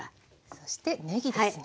そしてねぎですね。